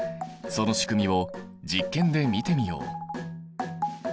そのしくみを実験で見てみよう。